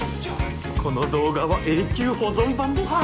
この動画は永久保存版です。